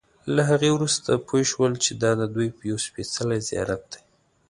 له هغې وروسته پوی شول چې دا ددوی یو سپېڅلی زیارت دی.